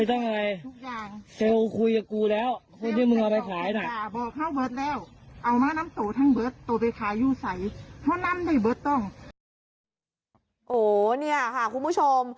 โอ้โหเนี่ยค่ะคุณผู้ชม